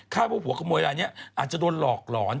ข้าวผัวขโมยอะไรนี้อาจจะโดนหลอกหลอน